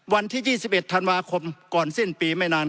วันที่๒๑ธันวาคมก่อนสิ้นปีไม่นาน